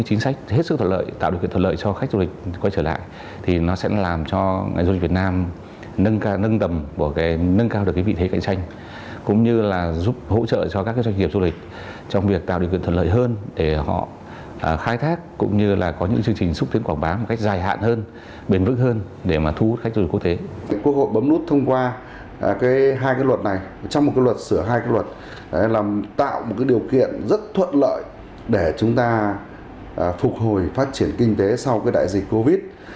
việc quốc hội bấm nút thông qua cái hai cái luật này trong một cái luật sửa hai cái luật là tạo một cái điều kiện rất thuận lợi để chúng ta phục hồi phát triển kinh tế sau cái đại dịch covid